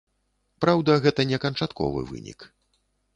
Праўда, гэта не канчатковы вынік.